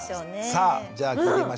さあじゃあ聞いてみましょう。